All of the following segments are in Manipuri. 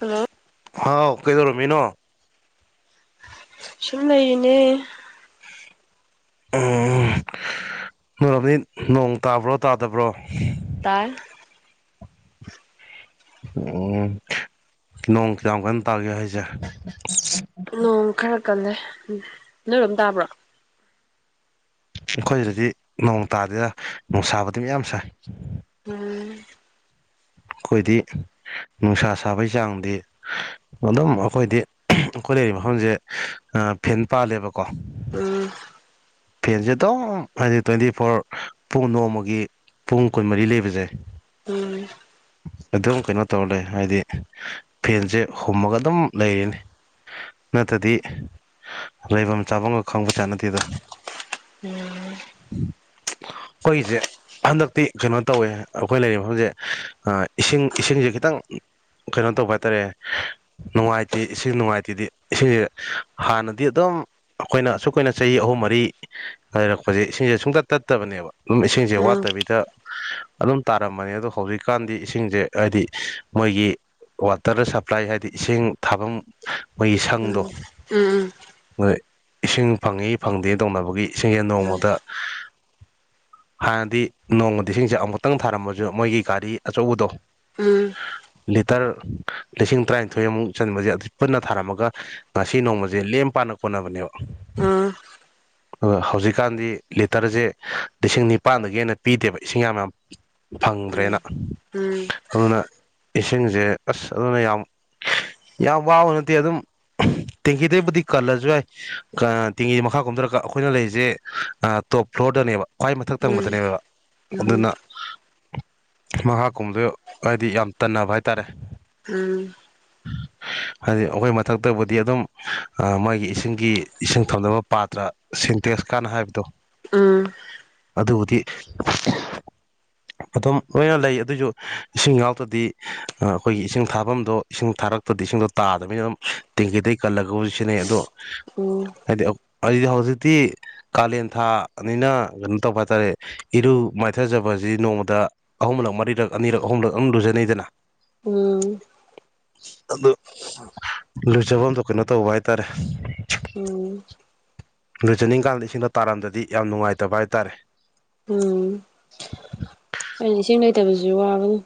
ꯍꯜꯂꯣ ꯍꯥꯎ ꯀꯩꯗꯧꯔꯝꯃꯤꯅꯣ ꯁꯨꯝ ꯂꯩꯔꯤꯅꯦ ꯎꯝ ꯅꯣꯏꯔꯣꯝꯗꯤ ꯅꯣꯡ ꯇꯥꯕ꯭ꯔꯣ ꯇꯥꯗꯕ꯭ꯔꯣ ꯇꯥꯏ ꯎꯝ ꯅꯣꯡ ꯀꯌꯥꯝ ꯀꯟꯅ ꯇꯥꯒꯦ ꯍꯥꯏꯁꯦ ꯅꯣꯡ ꯈꯔ ꯀꯜꯂꯦ ꯅꯣꯏꯔꯣꯝ ꯇꯥꯕ꯭ꯔꯣ ꯑꯩꯈꯣꯏꯁꯤꯗꯗꯤ ꯅꯣꯡ ꯇꯥꯗꯦꯗ ꯅꯨꯡꯁꯥꯕꯨꯗꯤ ꯃꯌꯥꯝ ꯁꯥꯏ ꯎꯝ ꯑꯩꯈꯣꯏꯗꯤ ꯅꯨꯡꯁꯥ ꯁꯥꯕꯩ ꯆꯥꯡꯗꯤ ꯑꯗꯨꯝ ꯑꯩꯈꯣꯏꯗꯤ ꯑꯩꯈꯣꯏ ꯂꯩꯔꯤꯕ ꯃꯐꯝꯁꯦ ꯑꯥ ꯐꯦꯟ ꯄꯥꯜꯂꯦꯕꯀꯣ ꯎꯝ ꯐꯦꯟꯖꯦ ꯑꯗꯨꯝ ꯍꯥꯏꯗꯤ ꯇ꯭ꯋꯦꯟꯇꯤ ꯐꯣꯔ ꯄꯨꯡ ꯅꯣꯡꯃꯒꯤ ꯄꯨꯡ ꯀꯨꯟꯃꯔꯤ ꯂꯩꯕꯖꯦ ꯎꯝ ꯑꯗꯨꯝ ꯀꯩꯅꯣ ꯇꯧ ꯂꯩ ꯍꯥꯏꯗꯤ ꯐꯦꯟꯖꯦ ꯍꯨꯝꯃꯒ ꯑꯗꯨꯝ ꯂꯩꯔꯤꯅꯤ ꯅꯠꯇꯗꯤ ꯂꯩꯐꯝ ꯆꯥꯕꯝꯒ ꯈꯪꯕ ꯖꯣꯠ ꯅꯠꯇꯦꯗ ꯎꯝ ꯑꯈꯣꯏꯒꯤꯖꯦ ꯍꯟꯗꯛꯇꯤ ꯀꯩꯅꯣ ꯇꯧꯋꯦ ꯑꯩꯈꯣꯏ ꯂꯩꯔꯤꯕ ꯃꯐꯝꯖꯦ ꯏꯁꯤꯡ ꯏꯁꯤꯡꯖꯦ ꯈꯤꯇꯪ ꯀꯩꯅꯣ ꯇꯧꯕ ꯍꯥꯏꯇꯥꯔꯦ ꯅꯨꯡꯉꯥꯏꯇꯦ ꯏꯁꯤꯡ ꯅꯨꯡꯉꯥꯏꯇꯦꯗꯤ ꯏꯁꯤꯡ ꯍꯥꯟꯅꯗꯤ ꯑꯗꯨꯝ ꯑꯩꯈꯣꯏꯅ ꯑꯁꯨꯛ ꯀꯨꯏꯅ ꯆꯍꯤ ꯑꯍꯨꯝ ꯃꯔꯤ ꯂꯩꯔꯛꯄꯖꯦ ꯁꯤꯁꯤꯡꯖꯦ ꯁꯨꯡꯇꯠ ꯇꯠꯇꯕꯅꯦꯕ ꯑꯗꯨꯝ ꯏꯁꯤꯡꯖꯦ ꯎꯝ ꯋꯥꯠꯇꯕꯤꯗ ꯑꯗꯨꯝ ꯇꯥꯔꯝꯕꯅꯤ ꯑꯗꯣ ꯍꯧꯖꯤꯛꯀꯥꯟꯗꯤ ꯏꯁꯤꯡꯖꯦ ꯍꯥꯏꯗꯤ ꯃꯣꯏꯒꯤ ꯋꯥꯇꯔ ꯁꯄ꯭ꯂꯥꯏ ꯍꯥꯏꯗꯤ ꯏꯁꯤꯡ ꯊꯥꯕꯝ ꯑꯈꯣꯏꯒꯤ ꯁꯪꯗꯣ ꯎꯝ ꯎꯝ ꯎꯝ ꯎꯝ ꯎꯝ ꯎꯝ ꯎꯝ ꯃꯣꯏ ꯏꯁꯤꯡ ꯐꯪꯉꯤ ꯐꯪꯗꯦ ꯇꯧꯅꯕꯒꯤ ꯏꯁꯤꯡꯖꯦ ꯅꯣꯡꯃꯗꯥ ꯍꯥꯟꯅꯗꯤ ꯅꯣꯡꯃꯗꯥ ꯏꯁꯤꯡꯖꯦ ꯑꯃꯨꯛꯇꯪ ꯊꯥꯔꯝꯃꯖꯨ ꯃꯣꯏꯒꯤ ꯒꯥꯔꯤ ꯑꯆꯧꯕꯗꯣ ꯎꯝ ꯂꯤꯇꯔ ꯂꯤꯁꯤꯡ ꯇꯔꯥꯅꯤꯊꯣꯏ ꯑꯃꯨꯛ ꯆꯟꯕꯁꯦ ꯑꯗꯨ ꯄꯨꯟꯅ ꯊꯥꯔꯝꯃꯒ ꯉꯁꯤ ꯅꯣꯡꯃꯖꯦ ꯂꯦꯝ ꯄꯥꯅ ꯀꯣꯅꯕꯅꯦꯕ ꯎꯝ ꯎꯝ ꯎꯝ ꯑꯗꯣ ꯍꯧꯖꯤꯛꯀꯥꯟꯗꯤ ꯂꯤꯇꯔꯖꯦ ꯂꯤꯁꯤꯡ ꯅꯤꯄꯥꯟꯗꯒꯤ ꯍꯦꯟꯅ ꯄꯤꯗꯦꯕ ꯏꯁꯤꯡ ꯌꯥꯝ ꯌꯥꯝ ꯐꯪꯗ꯭ꯔꯦꯅ ꯎꯝ ꯑꯗꯨꯅ ꯏꯁꯤꯡꯖꯦ ꯑꯁ ꯑꯗꯨꯅ ꯌꯥꯝ ꯌꯥꯝ ꯋꯥꯕ ꯅꯠꯇꯦ ꯑꯗꯨꯝ ꯇꯦꯡꯀꯤꯗꯩꯕꯨꯗꯤ ꯀꯜꯂꯖꯨ ꯌꯥꯏ ꯇꯦꯡꯀꯤ ꯃꯈꯥ ꯀꯨꯝꯗꯔꯥꯒ ꯑꯩꯈꯣꯏꯅ ꯂꯩꯔꯤꯖꯦ ꯑꯥ ꯇꯣꯞ ꯐ꯭ꯂꯣꯔꯗꯅꯦꯕ ꯈ꯭ꯋꯥꯏ ꯃꯊꯛ ꯊꯪꯕꯗꯅꯦꯕ ꯎꯝ ꯑꯗꯨꯅ ꯃꯈꯥ ꯀꯨꯝꯕꯗꯣ ꯍꯥꯏꯗꯤ ꯌꯥꯝ ꯇꯟꯅꯕ ꯍꯥꯏꯇꯥꯔꯦ [inaudible] ꯍꯥꯏꯗꯤ ꯑꯩꯈꯣꯏ ꯃꯊꯛꯇꯕꯨꯗꯤ ꯑꯗꯨꯝ ꯃꯣꯏꯒꯤ ꯏꯁꯤꯡꯒꯤ ꯏꯁꯤꯡ ꯊꯝꯅꯕ ꯄꯥꯇ꯭ꯔꯥ ꯁꯤꯟꯇꯦꯛꯁ ꯀꯥꯟꯅ ꯍꯥꯏꯕꯗꯣ ꯎꯝ ꯎꯝ ꯎꯝ ꯑꯗꯨꯕꯨꯗꯤ ꯑꯗꯨꯝ ꯂꯣꯏꯅ ꯂꯩ ꯑꯗꯨꯏꯖꯨ ꯏꯁꯤꯡ ꯌꯥꯥꯎꯗꯗꯤ ꯑꯩꯈꯣꯏꯒꯤ ꯏꯁꯤꯡ ꯊꯥꯕꯝꯗꯣ ꯏꯁꯤꯡ ꯊꯥꯔꯛ ꯇ꯭ꯔꯥꯗꯤ ꯏꯁꯤꯡꯗꯣ ꯇꯥꯗꯕꯅꯤꯅ ꯑꯗꯨꯝ ꯇꯦꯡꯀꯤꯗꯒꯤ ꯀꯜꯂꯒꯕꯨꯗꯤ ꯁꯤꯖꯤꯟꯅꯩ ꯑꯗꯣ ꯎꯝ ꯍꯥꯏꯗꯤ ꯍꯥꯏꯗꯤ ꯍꯧꯖꯤꯛꯇꯤ ꯀꯥꯂꯦꯟ ꯊꯥꯅꯤꯅ ꯀꯩꯅꯣ ꯇꯧꯕ ꯍꯥꯏꯇꯥꯔꯦ ꯏꯔꯨ ꯃꯥꯏꯊꯖꯕꯁꯤ ꯅꯣꯡꯃꯗ ꯑꯍꯨꯝꯂꯛ ꯃꯔꯤꯔꯛ ꯑꯅꯤꯔꯛ ꯑꯍꯨꯝꯂꯛ ꯑꯃ ꯂꯨꯖꯅꯩꯗꯅ ꯎꯝ ꯑꯗꯨ ꯂꯣꯏꯖꯕꯗꯣ ꯀꯩꯅꯣ ꯇꯧꯕ ꯍꯥꯏꯇꯥꯔꯦ ꯂꯣꯏꯖꯅꯤꯡꯀꯥꯟꯗ ꯏꯁꯤꯡꯗ ꯇꯥꯔꯝꯗꯗꯤ ꯌꯥꯝ ꯅꯨꯡꯉꯥꯏꯇꯕ ꯍꯥꯏꯇꯥꯔꯦ ꯎꯝ ꯑꯩꯅ ꯏꯁꯤꯡ ꯂꯩꯇꯕꯁꯨ ꯋꯥꯕꯅꯤ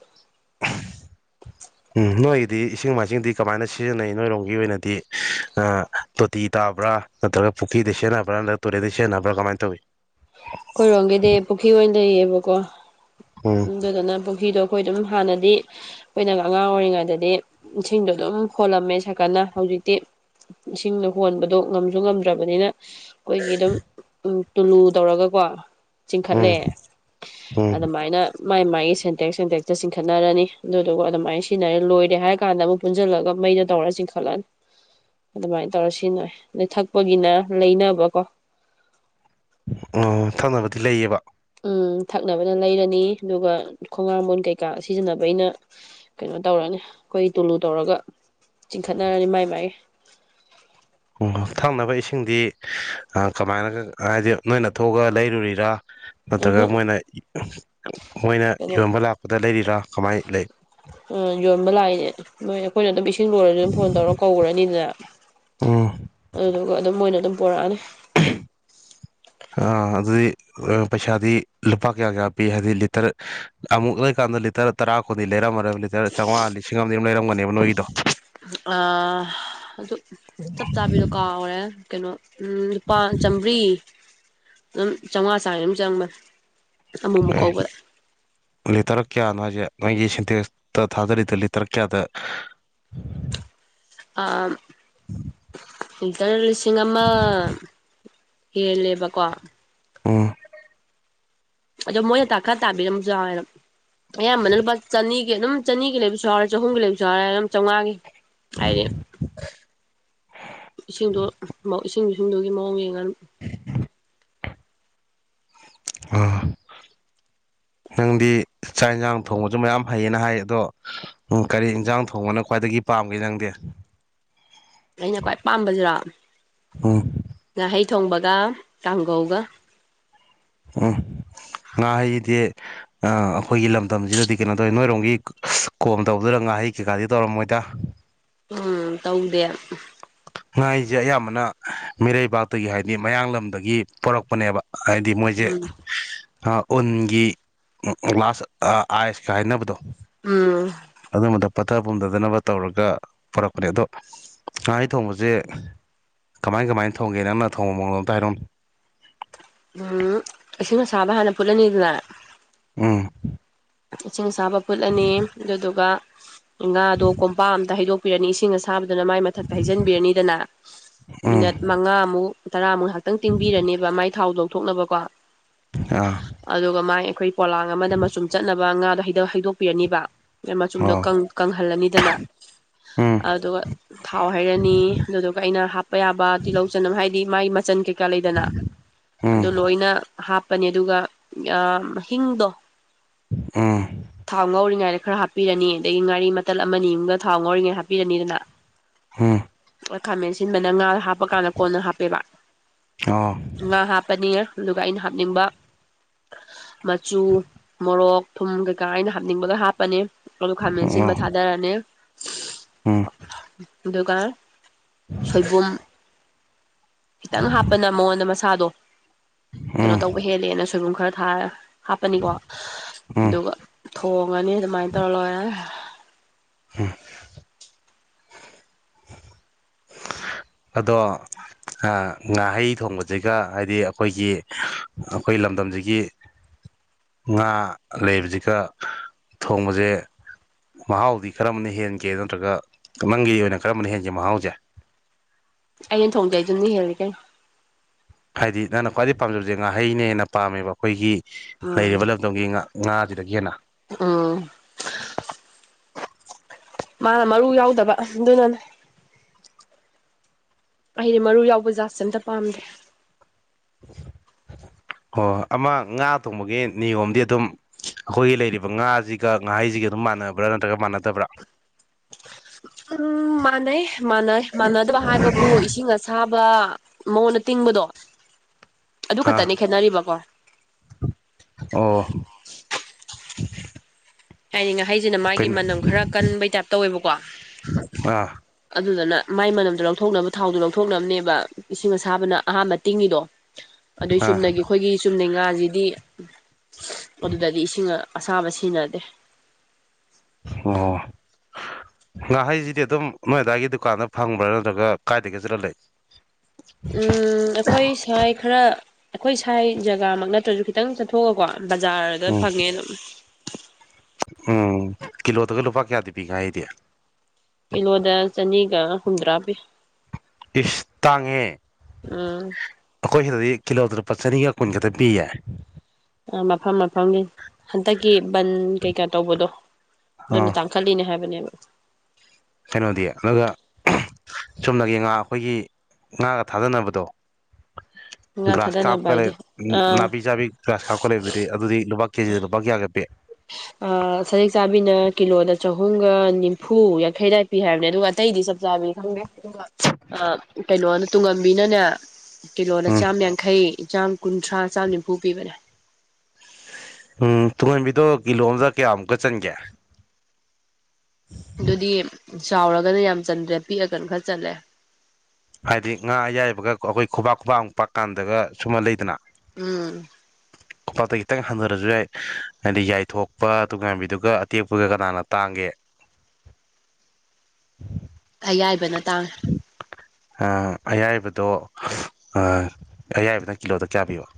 [unintelligible] [inaudible] ꯎꯝ ꯅꯣꯏꯒꯤꯗꯤ ꯏꯁꯤꯡ ꯃꯥꯏꯁꯤꯡꯗꯤ ꯀꯃꯥꯏꯅ ꯁꯤꯖꯤꯟꯅꯩ ꯅꯣꯏꯔꯣꯝꯒꯤ ꯑꯣꯏꯅꯗꯤ ꯇꯣꯇꯤ ꯇꯥꯕ꯭ꯔꯥ ꯅꯠꯇ꯭ꯔꯒ ꯄꯨꯈ꯭ꯔꯤꯗ ꯁꯦꯟꯅꯕ꯭ꯔꯥ ꯅꯠꯇ꯭ꯔꯒ ꯇꯨꯔꯦꯗ ꯁꯖꯤꯟꯅꯕ꯭ꯔꯥ ꯀꯃꯥꯏꯅ ꯇꯧꯏꯤ ꯈꯔꯣꯝꯒꯤꯗꯤ ꯄꯨꯈ꯭ꯔꯤ ꯑꯣꯏꯅ ꯂꯩꯌꯦꯕꯀꯣ ꯎꯝ ꯑꯗꯨꯗꯅ ꯄꯨꯈ꯭ꯔꯤꯗꯣ ꯑꯩꯈꯣꯏ ꯑꯗꯨꯝ ꯍꯥꯟꯅꯗꯤ ꯑꯩꯈꯣꯏꯅ ꯑꯉꯥꯡ ꯑꯣꯏꯔꯤꯉꯩꯗꯗꯤ ꯏꯁꯤꯡꯗꯣ ꯑꯗꯨꯝ ꯍꯣꯜꯂꯝꯃꯦ ꯁꯀꯅ ꯍꯧꯖꯤꯛꯇꯤ ꯏꯁꯤꯡꯅ ꯍꯣꯟꯕꯗꯣ ꯉꯝꯁꯨ ꯉꯝꯗ꯭ꯔꯕꯅꯤꯅ ꯑꯩꯈꯣꯏꯒꯤ ꯑꯗꯨꯝ ꯇꯨꯂꯨ ꯇꯧꯔꯒꯀꯣ ꯆꯤꯡꯈꯠꯂꯦ ꯎꯝ ꯎꯝ ꯑꯗꯨꯃꯥꯏꯅ ꯃꯥꯏ ꯃꯥꯥꯏꯒꯤ ꯁꯦꯟꯇꯦꯛ ꯁꯦꯟꯇꯦꯛꯁꯛꯇ ꯆꯤꯡꯈꯠꯅꯔꯅꯤ ꯑꯗꯨꯗꯨꯒ ꯑꯗꯨꯃꯥꯏꯅ ꯁꯤꯖꯤꯟꯅꯔꯦ ꯂꯣꯏꯔꯦ ꯍꯥꯏꯔ ꯀꯥꯟꯗ ꯑꯃꯨꯛ ꯄꯨꯟꯁꯤꯜꯂꯒ ꯃꯩꯅ ꯇꯧꯔ ꯆꯤꯡꯈꯠꯂꯅꯤ ꯑꯗꯨꯃꯥꯏꯅ ꯇꯧꯔ ꯁꯤꯖꯤꯟꯅ ꯑꯗꯩ ꯊꯛꯄꯒꯤꯅ ꯂꯩꯅꯕꯀꯣ ꯊꯛꯅꯕꯗꯤ ꯂꯩꯌꯦꯕ ꯎꯝ ꯊꯛꯅꯕꯅ ꯂꯩꯔꯅꯤ ꯑꯗꯨꯒ ꯈꯣꯡꯉꯝꯕꯣꯟ ꯀꯩꯀꯥ ꯁꯤꯖꯤꯟꯅꯕꯩꯅ ꯀꯩꯅꯣ ꯇꯧꯔꯅꯤ ꯑꯩꯈꯣꯏ ꯇꯨꯂꯨ ꯇꯧꯔꯒ ꯆꯤꯡꯈꯠꯅꯔꯅꯤ ꯃꯥꯏ ꯃꯥꯏ ꯑꯣ ꯊꯛꯅꯕ ꯏꯁꯤꯡꯗꯤ ꯀꯃꯥꯏꯅꯒ ꯍꯥꯏꯗꯤ ꯅꯣꯏꯅ ꯊꯣꯛꯑꯒ ꯂꯩꯔꯨꯔꯤꯔꯥ ꯅꯠꯇ꯭ꯔꯒ ꯎꯝꯍꯨꯝ ꯃꯣꯏꯅ ꯃꯣꯏꯅ ꯀꯩꯅꯣ ꯌꯣꯟꯕ ꯂꯥꯛꯄꯗ ꯂꯩꯔꯤꯔꯥ ꯀꯃꯥꯏꯅ ꯂꯩ ꯎꯝ ꯌꯣꯟꯕ ꯂꯥꯛꯏꯅꯦ ꯃꯣꯏ ꯑꯩꯈꯣꯏꯅ ꯑꯗꯨꯝ ꯏꯁꯤꯡ [unintelligible] ꯑꯗꯨꯝ ꯐꯣꯟ ꯇꯧꯔ ꯀꯧꯔꯅꯤꯗꯅ ꯎꯝ ꯑꯗꯨꯗꯨꯒ ꯑꯗꯨꯝ ꯃꯣꯏꯅ ꯑꯗꯨꯝ ꯄꯨꯔꯛꯑꯅꯤ ꯑ ꯑꯗꯨꯗꯤ ꯄꯩꯁꯥꯗꯤ ꯂꯨꯄꯥ ꯀꯌꯥ ꯀꯌꯥ ꯄꯤ ꯍꯥꯏꯗꯤ ꯂꯤꯇꯔ ꯑꯃꯨꯛ ꯂꯩꯀꯥꯟꯗ ꯂꯤꯇꯔ ꯇꯔꯥ ꯀꯨꯟꯗꯤ ꯂꯩꯔꯝꯃꯗꯝꯅꯤ ꯂꯤꯇꯔ ꯆꯥꯝꯃꯉꯥ ꯂꯤꯁꯤꯡ ꯑꯃꯗꯤ ꯗꯨꯝ ꯂꯩꯔꯝꯒꯅꯤꯕ ꯅꯣꯏꯒꯤꯗꯣ ꯑꯗꯨ ꯆꯞ ꯆꯥꯕꯤꯗꯣ ꯀꯥꯎꯔꯦ ꯀꯩꯅꯣ ꯝ ꯂꯨꯄꯥ ꯆꯥꯝꯃ꯭ꯔꯤ ꯑꯗꯨꯝ ꯆꯥꯝꯃꯉꯥ ꯆꯥ ꯑꯗꯨꯝ ꯆꯪꯕ ꯑꯃꯨꯛꯃꯨꯛ ꯀꯧꯕꯥ ꯂꯛ ꯑꯦ ꯂꯤꯇꯔ ꯀꯌꯥꯅꯣ ꯍꯥꯏꯁꯦ ꯅꯣꯏꯒꯤ ꯁꯦꯟꯇꯦꯛꯁꯇ ꯊꯥꯗꯔꯤꯗꯣ ꯂꯤꯇꯔ ꯀꯌꯥꯗ ꯍ [unintelligible] ꯑꯥ ꯑꯥ ꯑꯥ ꯂꯤꯇꯔ ꯂꯤꯁꯤꯡ ꯑꯃ ꯍꯦꯜꯂꯦꯕꯀꯣ ꯎꯝ ꯑꯗꯣ ꯃꯣꯏꯅ ꯇꯥꯈꯠ ꯇꯥꯕꯤꯔꯝꯃꯁꯨ ꯌꯥꯎꯋꯦ ꯑꯌꯥꯝꯕꯅ ꯂꯨꯄꯥ ꯆꯅꯤꯒꯤ ꯑꯗꯨꯝ ꯆꯅꯤꯒꯤ ꯂꯩꯕꯁꯨ ꯌꯥꯎꯔꯦ ꯆꯍꯨꯝꯒꯤ ꯂꯩꯕꯁꯨ ꯌꯥꯎꯔꯦ ꯑꯗꯨꯝ ꯆꯥꯝꯃꯉꯥꯒꯤ ꯑꯩ ꯏꯁꯤꯡꯗꯨ ꯏꯁꯤꯡ ꯏꯁꯤꯡꯗꯨꯒꯤ ꯃꯑꯣꯡ ꯌꯦꯡꯉꯅꯤ ꯑ ꯅꯪꯗꯤ ꯆꯥꯛ ꯏꯟꯁꯥꯡ ꯊꯣꯡꯕꯁꯨ ꯃꯌꯥꯝ ꯐꯩꯌꯦꯅ ꯍꯥꯏ ꯑꯗꯣ ꯎꯝ ꯀꯔꯤ ꯏꯟꯁꯥꯡ ꯊꯣꯡꯕꯅ ꯈ꯭ꯋꯥꯏꯗꯒꯤ ꯄꯥꯝꯒꯦ ꯅꯪꯗꯦ ꯑꯩꯅ ꯈ꯭ꯋꯥꯏ ꯄꯥꯕꯁꯤꯔꯣ ꯎꯝ ꯉꯥꯍꯩ ꯊꯣꯡꯕꯒ ꯀꯥꯡꯒꯧꯒ ꯎꯝ ꯉꯥ ꯍꯩꯗꯤ ꯑ ꯑꯩꯈꯣꯏꯒꯤ ꯂꯝꯗꯝꯁꯤꯗꯗꯤ ꯀꯩꯅꯣ ꯇꯧꯏ ꯅꯣꯏꯔꯣꯝꯒꯤ ꯀꯣꯝ ꯇꯧꯕꯗ ꯉꯥꯍꯩ ꯀꯩꯀꯥꯗꯤ ꯇꯧꯔꯝꯃꯣꯏꯗ [inaudible] ꯎꯝ ꯇꯧꯗꯦ [unintelligible] ꯉꯥꯍꯩꯁꯦ ꯑꯌꯥꯝꯕꯅ ꯃꯤꯔꯩꯕꯥꯛꯇꯒꯤ ꯍꯥꯏꯗꯤ ꯃꯌꯥꯡꯂꯝꯗꯒꯤ ꯄꯣꯔꯛꯄꯅꯦꯕ ꯍꯥꯏꯗꯤ ꯃꯣꯏ ꯖꯦ ꯎꯝ ꯎꯟꯒꯤ [unintelligible] ꯑꯥꯏꯁꯀ ꯍꯥꯏꯅꯕꯗꯣ ꯎꯝ ꯑꯗꯨꯝꯕꯗꯣ ꯄꯠꯊꯥ ꯄꯨꯝꯗꯥꯗꯅꯕ ꯇꯧꯔꯒ ꯄꯣꯔꯛꯄꯅꯦ ꯑꯗꯣ ꯉꯍꯩ ꯊꯣꯡꯕꯁꯦ ꯀꯃꯥꯏ ꯀꯃꯥꯏ ꯊꯣꯡꯒꯦ ꯅꯪꯅ ꯊꯣꯡꯕ ꯃꯑꯣꯡ ꯑꯝꯇ ꯍꯥꯏꯔꯛꯑꯣꯅꯦ ꯎꯝ ꯏꯁꯤꯁꯤꯡ ꯑꯁꯥꯕ ꯍꯥꯟꯅ ꯐꯨꯠꯂꯅꯤꯗꯅ ꯎꯝ ꯏꯁꯤꯡ ꯑꯁꯥꯕ ꯐꯨꯠꯂꯅꯤ ꯑꯗꯨꯗꯨꯒ ꯉꯥꯗꯣ ꯀꯣꯝꯄꯥꯛ ꯑꯝꯗ ꯍꯩꯗꯣꯛꯄꯤꯔꯅꯤ ꯏꯁꯤꯡ ꯑꯁ ꯊꯥꯕꯗꯨꯅ ꯃꯥꯏ ꯃꯊꯛꯇ ꯍꯩꯖꯤꯟꯕꯤꯔꯅꯤꯗꯅ ꯎꯝ ꯃꯤꯅꯠ ꯃꯉꯥꯃꯨꯛ ꯇꯔꯥꯃꯨꯛ ꯉꯥꯍꯛꯇꯪ ꯇꯤꯡꯕꯤꯔꯅꯤꯕ ꯃꯥꯏ ꯊꯥꯎ ꯂꯧꯊꯣꯛꯅꯕꯀꯣ ꯑꯥ ꯑꯗꯨꯒ ꯃꯥꯏ ꯑꯩꯈꯣꯏ ꯄꯣꯂꯥꯡ ꯑꯃꯗ ꯃꯆꯨꯝ ꯆꯠꯅꯕ ꯉꯥꯗꯣ ꯍꯩꯗ ꯍꯩꯗꯣꯛꯄꯤꯔꯅꯤꯕ ꯃꯆꯨꯝꯗꯣ ꯑꯣ ꯀꯪ ꯀꯪꯍꯜꯂꯅꯤꯗꯅ ꯎꯝ ꯑꯗꯨꯒ ꯊꯥꯎ ꯍꯩꯔꯅꯤ ꯑꯗꯨꯗꯨꯒ ꯑꯩꯅ ꯍꯥꯞꯄ ꯌꯥꯕ ꯇꯤꯜꯍꯧ ꯆꯅꯝ ꯍꯥꯏ ꯃꯥꯏ ꯃꯆꯟ ꯀꯩꯀꯥ ꯂꯩꯗꯅ ꯎꯝ ꯑꯗꯨ ꯂꯣꯏꯅ ꯍꯥꯞꯄꯅꯤ ꯑꯗꯨꯒ ꯑꯥꯝ ꯍꯤꯡꯗꯣ ꯎꯝ ꯊꯥꯎ ꯉꯧꯔꯤꯉꯩꯗ ꯈꯔ ꯍꯥꯞꯄꯤꯔꯅꯤ ꯑꯗꯒꯤ ꯉꯥꯔꯤ ꯃꯇꯠ ꯑꯃꯅꯤꯃꯝꯒ ꯊꯥꯎ ꯉꯧꯔꯤꯉꯩ ꯍꯥꯞꯄꯤꯔꯅꯤꯗꯅ ꯍꯨꯝ ꯑꯥ ꯈꯥꯃꯦꯟ ꯑꯁꯤꯟꯕꯅ ꯉꯥ ꯍꯥꯞꯄꯀꯥꯟꯗ ꯀꯣꯟꯅ ꯍꯥꯞꯄꯦꯕ ꯑꯣ ꯉꯥ ꯍꯥꯞꯄꯅꯤ ꯑꯗꯨꯒ ꯑꯩꯅ ꯍꯥꯞꯅꯤꯡꯕ ꯃꯆꯨ ꯃꯣꯔꯣꯛ ꯊꯨꯝ ꯀꯩꯀꯥ ꯑꯩꯅ ꯍꯥꯞꯅꯤꯡꯕꯒ ꯍꯥꯞꯄꯅꯤ ꯑꯗꯨ ꯈꯥꯃꯦꯟꯁꯤꯟꯕ ꯑꯣ ꯊꯥꯗꯔꯅꯤ ꯎꯝ ꯑꯗꯨꯒ ꯁꯣꯏꯕꯨꯝ ꯈꯤꯇꯪ ꯍꯥꯞꯄꯅ ꯃꯉꯣꯟꯗ ꯃꯁꯥꯗꯣ ꯀꯩꯅꯣ ꯎꯝ ꯇꯧꯕ ꯍꯦꯜꯂꯦꯅ ꯁꯣꯏꯕꯨꯝ ꯈꯔ ꯊꯥꯔ ꯍꯥꯞꯄꯅꯤꯀꯣ ꯎꯝ ꯑꯗꯨꯒ ꯊꯣꯡꯉꯅꯤ ꯑꯗꯨꯃꯥꯏꯅ ꯇꯧꯔ ꯂꯣꯏꯔꯦ ꯑꯗꯣ ꯑꯥ ꯉꯥꯍꯩ ꯊꯣꯡꯕꯖꯤꯒ ꯍꯥꯏꯗꯤ ꯑꯈꯣꯏꯒꯤ ꯑꯈꯣꯏ ꯂꯝꯗꯝꯖꯤꯒꯤ ꯉꯥ ꯂꯩꯕꯖꯤꯒ ꯊꯣꯡꯕꯖꯦ ꯃꯍꯥꯎꯗꯤ ꯀꯔꯝꯕꯅ ꯍꯦꯟꯒꯦ ꯅꯠꯇ꯭ꯔꯒ ꯅꯪꯒꯤ ꯑꯣꯏꯅ ꯀꯔꯝꯕꯅ ꯍꯦꯟꯒꯦ ꯃꯍꯥꯎꯖꯦ ꯑꯩꯅ ꯊꯣꯡꯗꯩ ꯗꯨꯅ ꯍꯦꯜꯂꯤ ꯀꯩꯅꯣ ꯍꯥꯏꯗꯤ ꯅꯪꯅ ꯈ꯭ꯋꯥꯏꯗꯩ ꯄꯥꯝꯖꯕꯖꯦ ꯉꯥꯍꯩꯅ ꯍꯦꯟꯅ ꯄꯥꯝꯃꯦꯕ ꯑꯈꯣꯏꯒꯤ ꯎꯝ ꯂꯩꯔꯤꯕ ꯂꯝ ꯗꯣꯝꯒꯤ ꯉꯥ ꯉꯥꯖꯤꯗꯒꯤ ꯍꯦꯟꯅ ꯎꯝ ꯃꯥꯅ ꯃꯔꯨ ꯌꯥꯎꯗꯕ ꯗꯨꯅꯅꯦ ꯑꯩꯗꯤ ꯃꯔꯨ ꯌꯥꯎꯕ ꯖꯥꯠꯁꯦ ꯑꯝꯇ ꯄꯥꯝꯗꯦ ꯑꯣ ꯑꯃ ꯉꯥ ꯊꯣꯡꯕꯒꯤ ꯅꯤꯌꯣꯝꯗꯤ ꯑꯗꯨꯝ ꯑꯈꯣꯏꯒꯤ ꯂꯩꯔꯤꯕ ꯉꯥꯖꯤꯒ ꯉꯥꯍꯩꯖꯤꯒ ꯑꯗꯨꯝ ꯃꯥꯟꯅꯕ꯭ꯔꯥ ꯅꯠꯇ꯭ꯔꯒ ꯃꯥꯟꯅꯗꯕ꯭ꯔꯥ ꯎꯝ ꯃꯅꯩ ꯃꯥꯅꯩ ꯃꯥꯟꯗꯕ ꯍꯥꯏ ꯕꯕꯨ ꯏꯁꯤꯡ ꯑꯁꯥꯕ ꯃꯉꯣꯟꯗ ꯇꯤꯡꯕꯗꯣ ꯑꯗꯨ ꯑꯥ ꯈꯠꯇꯅꯤ ꯈꯦꯠꯅꯔꯤꯕꯀꯣ ꯑꯣ ꯑꯩ ꯉꯥ ꯍꯩꯖꯤꯅ ꯃꯥꯒꯤ ꯀꯩꯅꯣ ꯃꯅꯝ ꯈꯔꯥ ꯀꯟꯕꯩ ꯇꯥꯏꯞ ꯇꯧꯋꯦꯕꯀꯣ ꯑꯥ ꯑꯗꯨꯗꯅ ꯃꯥꯏ ꯃꯅꯝꯗꯣ ꯂꯧꯊꯣꯛꯅꯕ ꯊꯥꯎꯗꯣ ꯂꯧꯊꯣꯛꯅꯕꯅꯦꯕ ꯏꯁꯤꯡ ꯑꯁꯥꯕꯅ ꯑꯍꯥꯟꯕ ꯇꯤꯡꯉꯤꯗꯣ ꯑꯗꯨꯏ ꯑꯥ ꯆꯨꯝꯅꯒꯤ ꯑꯈꯣꯏꯒꯤ ꯆꯨꯝꯅꯩ ꯉꯥꯖꯤꯗꯤ ꯑꯗꯨꯗꯗꯤ ꯏꯁꯤꯡ ꯑꯁꯥꯕ ꯁꯤꯟꯅꯗꯦ ꯑꯣ ꯉꯥꯍꯩꯖꯤꯗꯤ ꯑꯗꯨꯝ ꯅꯣꯏ ꯑꯗꯨꯋꯥꯏꯒꯤ ꯗꯨꯀꯥꯟꯗ ꯐꯪꯕ꯭ꯔꯥ ꯅꯠꯇ꯭ꯔꯒ ꯀꯥꯏꯗꯒꯤ ꯖꯠꯂꯂꯩ ꯎꯝ ꯑꯩꯈꯣꯏ ꯁꯋꯥꯥꯏ ꯈꯔꯥ ꯑꯩꯈꯣꯏ ꯁꯥꯏ ꯖꯒꯥꯃꯛ ꯅꯠꯇ꯭ꯔꯖꯨ ꯈꯤꯇꯪ ꯆꯠꯊꯣꯛꯑꯒ ꯀꯣ ꯕꯖꯥꯔꯗ ꯎꯝ ꯐꯪꯉꯦ ꯑꯗꯨꯝ ꯎꯝ ꯀꯤꯂꯣꯗꯒ ꯂꯨꯄꯥ ꯀꯌꯥꯗꯤ ꯄꯤ ꯉꯥꯍꯩꯗꯤ ꯀꯤꯂꯣꯗ ꯆꯅꯤꯒ ꯍꯨꯝꯗ꯭ꯔꯥ ꯄꯤ ꯏꯁ ꯇꯥꯡꯉꯦꯍꯦ ꯎꯝ ꯑꯈꯣꯏ ꯁꯤꯗꯗꯤ ꯀꯤꯂꯣꯗ ꯂꯨꯄꯥ ꯆꯅꯤꯒ ꯀꯨꯟ ꯈꯇ ꯄꯤꯌꯦ ꯑ ꯃꯐꯝ ꯃꯐꯝꯒꯤ ꯍꯟꯇꯛꯀꯤ ꯕꯟ ꯀꯩꯀꯥ ꯇꯧꯕꯗꯣ ꯑꯗꯨꯅ ꯑꯥ ꯇꯥꯡ ꯈꯂꯤꯅꯦ ꯍꯥꯏꯕꯅꯦꯕ ꯀꯩꯅꯣꯗꯤ ꯑꯗꯨꯒ ꯑꯍꯝ ꯆꯨꯝꯅꯒꯤ ꯉꯥ ꯑꯈꯣꯏꯒꯤ ꯉꯥꯒ ꯊꯥꯗꯅꯕꯗꯣ ꯉꯥ ꯒ꯭ꯔꯥꯁ ꯊꯥꯗꯅꯕ ꯀꯥꯞꯀ ꯂꯩ ꯍꯥꯏꯗꯤ ꯑꯥ ꯅꯥꯄꯤ ꯆꯥꯕꯤ ꯒ꯭ꯔꯥꯁ ꯀꯥꯞꯀ ꯂꯩꯕꯗꯨꯗꯤ ꯑꯗꯨꯗꯤ ꯂꯨꯄꯥ ꯀꯦꯖꯤꯗ ꯂꯨꯄꯥ ꯀꯌꯥꯒ ꯄꯤ ꯑꯥ ꯁꯖꯤꯛ ꯆꯥꯕꯤꯅ ꯀꯤꯂꯣꯗ ꯆꯍꯨꯝꯒ ꯅꯤꯐꯨ ꯌꯥꯡꯈꯩ ꯗꯥꯏꯗ ꯄꯤ ꯍꯥꯏꯕꯅꯦ ꯑꯗꯨꯒ ꯑꯇꯩꯗꯤ ꯆꯞ ꯆꯥꯕꯤ ꯈꯪꯗꯦ ꯑꯗꯨꯒ ꯑꯥ ꯀꯩꯅꯣꯅ ꯇꯨꯡꯉꯝꯕꯤꯅꯅꯦ ꯀꯤꯂꯣꯅ ꯎꯝ ꯆꯥꯝ ꯌꯥꯡꯈꯩ ꯏꯆꯝ ꯀꯨꯟꯊ꯭ꯔꯥ ꯆꯥꯝ ꯅꯤꯝꯐꯨ ꯄꯤꯕꯅꯦ ꯎꯝ ꯇꯨꯡꯍꯟꯕꯤꯗꯣ ꯀꯤꯂꯣ ꯑꯝꯗ ꯀꯌꯥꯃꯨꯛꯀ ꯆꯟꯒꯦ [inaudible] ꯑꯗꯨꯗꯤ ꯆꯥꯎꯔꯒꯅ ꯌꯥꯝ ꯆꯟꯗ꯭ꯔꯦ ꯄꯤꯛꯑꯒꯅ ꯈꯔ ꯆꯜꯂꯦ ꯍꯥꯏꯗꯤ ꯉꯥ ꯑꯌꯥꯏꯕꯒ ꯑ ꯑꯈꯣꯏ ꯈꯨꯕꯥꯛ ꯈꯨꯕꯥꯛꯃꯨꯛ ꯄꯥꯛ ꯀꯥꯟꯗꯒ ꯁꯨꯝꯃ ꯂꯩꯗꯅ ꯎꯝ [inaudible] ꯀꯣꯄꯥꯛꯇ ꯈꯤꯇꯪ ꯍꯟꯊꯔꯁꯨ ꯌꯥꯏ ꯍꯥꯏꯗꯤ ꯌꯥꯏꯊꯣꯛꯄ ꯑꯗꯨꯒ ꯉꯥꯏꯥꯟꯕꯤꯗꯨꯒ ꯑꯇꯦꯛꯄꯒ ꯀꯅꯥꯅ ꯇꯥꯡꯒꯦ ꯑꯌꯥꯏꯕꯅ ꯇꯥꯡ ꯑ ꯑꯌꯥꯏꯕꯗꯣ ꯑ ꯑꯌꯥꯏꯕꯅ ꯀꯤꯂꯣꯗ ꯀꯌꯥ ꯄꯤꯕ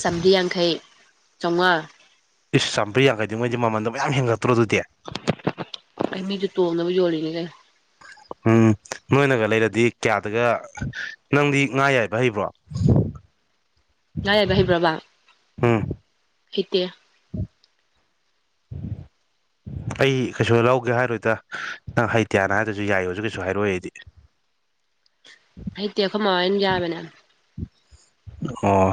ꯆꯥꯝꯔꯤ ꯌꯥꯡꯈꯩ ꯆꯥꯝꯃꯉꯥ ꯏꯁ ꯆꯥꯝꯔꯤ ꯌꯥꯡꯈꯩꯉꯩꯗꯤ ꯃꯃꯟꯣ ꯃꯌꯥꯝ ꯍꯦꯟꯒꯠꯇ꯭ꯔꯣ ꯑꯗꯨꯗꯤ ꯑ ꯃꯤꯁꯨ ꯇꯣꯡꯅꯃꯤ ꯌꯣꯂꯤꯅꯤꯒꯦ ꯎꯝ ꯅꯣꯏꯅꯒ ꯂꯩꯔꯗꯤ ꯀꯌꯥꯗꯒ ꯅꯪꯗꯤ ꯉꯥ ꯌꯥꯏꯕ ꯍꯩꯕ꯭ꯔꯣ ꯉꯥꯏꯥꯏꯕ ꯍꯩꯕ꯭ꯔꯕ ꯎꯝ ꯍꯩꯇꯦ ꯑꯩ ꯀꯩꯁꯨ ꯂꯧꯒꯦ ꯍꯥꯏꯔꯣꯏꯗ ꯅꯪ ꯍꯩꯇ꯭ꯌꯥꯅ ꯍꯥꯏꯔꯁꯨ ꯌꯥꯏꯌꯣꯁꯨ ꯀꯩꯁꯨ ꯍꯥꯏꯔꯛꯑꯣ ꯑꯩꯗꯤ ꯍꯩꯇꯤ ꯑꯩꯈꯣꯏꯃ ꯑꯩꯅ ꯌꯥꯕꯅꯦꯅ ꯑꯣ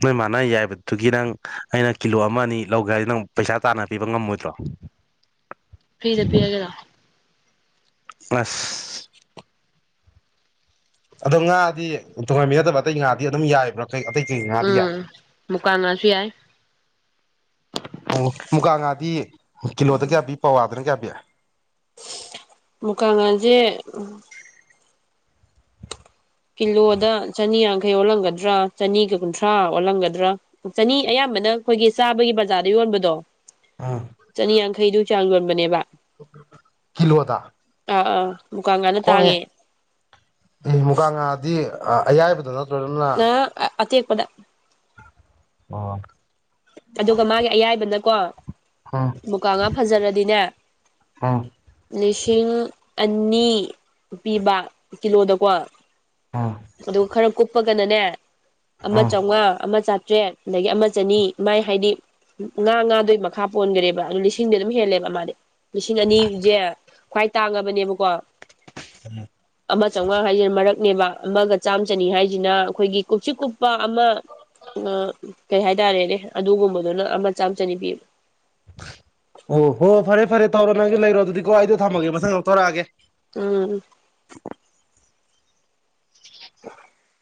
ꯅꯣꯏ ꯃꯥꯥꯟꯅ ꯌꯥꯏꯕꯗꯨꯒꯤ ꯅꯪ ꯑꯩꯅ ꯀꯤꯂꯣ ꯑꯃ ꯑꯅꯤ ꯂꯧꯒꯦ ꯍꯥꯏꯗꯤ ꯅꯪ ꯄꯩꯁꯥ ꯇꯥꯅ ꯄꯤꯕ ꯉꯝꯃꯣꯏꯗ꯭ꯔꯣ ꯐꯤꯔꯤꯗ ꯄꯤꯔꯒꯦꯔꯥ ꯂꯣ ꯑꯁ ꯑꯗꯣ ꯉꯥꯗꯤ ꯇꯣꯡꯉꯟꯕꯤ ꯅꯗꯕ ꯑꯇꯩ ꯉꯥꯗꯤ ꯑꯗꯨꯝ ꯌꯥꯏꯕ꯭ꯔꯥ ꯑꯇꯩ ꯑꯇꯩ ꯀ ꯉꯗꯌꯥ ꯎꯝ ꯃꯨꯀꯥ ꯉꯥꯁꯨ ꯌꯥꯏ ꯑꯣ ꯃꯨꯒꯥ ꯉꯥꯗꯤ ꯀꯤꯂꯣꯗ ꯀꯌꯥ ꯄꯤ ꯄꯋꯥꯗꯅ ꯀꯌꯥ ꯄꯤ ꯃꯨꯀꯥꯉꯁꯦ ꯀꯤꯂꯣꯗ ꯆꯅꯤ ꯌꯥꯡꯈꯩ ꯑꯣꯜꯂꯝꯒꯗ꯭ꯔꯥ ꯆꯅꯤꯒ ꯀꯨꯟꯊ꯭ꯔꯥ ꯑꯣꯜꯂꯝꯒꯗ꯭ꯔꯥ ꯆꯅꯤ ꯑꯌꯥꯝꯕꯅ ꯑꯩꯈꯣꯏꯒꯤ ꯆꯥꯕꯒꯤ ꯕꯖꯥꯔꯗ ꯌꯣꯟꯕꯗꯣ ꯑꯥ ꯆꯅꯤꯌꯥꯡꯈꯩꯗꯨ ꯆꯥꯡ ꯌꯣꯟꯕꯅꯦꯕ ꯀꯤꯂꯣꯗ ꯑꯥ ꯑꯥ ꯃꯨꯀꯥ ꯉꯥꯅ ꯐꯣꯡꯉꯦꯍ ꯇꯥꯡꯉꯦ ꯑꯦ ꯃꯨꯒꯥ ꯉꯥꯗꯤ ꯑꯌꯥꯏꯕꯗ ꯅꯠꯇ ꯅ ꯑ ꯑꯇꯥꯛꯄꯗ ꯑꯣ ꯑꯗꯨꯒ ꯃꯥꯒꯤ ꯑꯌꯥꯏꯕꯅꯀꯣ ꯎꯝ ꯃꯕꯨꯀꯥꯉꯥ ꯐꯖꯔꯗꯤꯅꯦ ꯎꯝ ꯂꯤꯁꯤꯡ ꯑꯅꯤ ꯄꯤꯕ ꯀꯤꯂꯣꯗꯀꯣ ꯎꯝ ꯑꯗꯨꯒ ꯈꯔ ꯀꯨꯞꯄꯒꯅꯅꯦ ꯑꯃ ꯎꯝ ꯆꯥꯝꯃꯉꯥ ꯑꯃ ꯆꯥꯇ꯭ꯔꯦꯠ ꯑꯗꯒꯤ ꯑꯃ ꯆꯅꯤ ꯑꯗꯨꯃꯥꯏ ꯍꯥꯏꯗꯤ ꯉꯥ ꯉꯥꯗꯨꯏ ꯃꯈꯥ ꯄꯣꯟꯈꯔꯦꯕ ꯑꯗꯨ ꯂꯤꯁꯤꯡꯗꯤ ꯑꯗꯨꯝ ꯍꯦꯜꯂꯦꯕ ꯃꯥꯗꯤ ꯂꯤꯁꯤꯡ ꯑꯅꯤꯁꯦ ꯈ꯭ꯋꯥꯏ ꯇꯥꯡꯉꯕꯅꯦꯕꯀꯣ ꯑꯃ ꯆꯝꯃꯉꯥ ꯍꯥꯏꯁꯤꯅ ꯃꯔꯛꯅꯦꯕ ꯑꯃꯒ ꯆꯥꯝ ꯆꯅꯤ ꯍꯥꯏꯁꯤꯅ ꯑꯩꯈꯣꯏꯒꯤ ꯀꯨꯞꯁꯤ ꯀꯨꯞꯄ ꯑꯃ ꯀꯩ ꯍꯥꯏꯇꯥꯔꯦꯅꯦ ꯑꯗꯨꯒꯨꯝꯕꯗꯨꯅ ꯑꯃ ꯆꯥꯝ ꯆꯅꯤ ꯄꯤ ꯑꯣ ꯍꯣꯏ ꯐꯔꯦ ꯐꯔꯦ ꯇꯧꯔꯣ ꯅꯪꯁꯨ ꯂꯩꯔꯣ ꯑꯗꯨꯗꯤꯀꯣ ꯑꯩꯗꯣ ꯊꯝꯃꯒꯦ ꯃꯊꯪ ꯂꯧꯊꯧꯔꯛꯑꯒꯦ ꯎꯝ [inaudible]